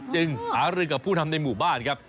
จึงหารือกับผู้ทำในหมู่บ้านครับ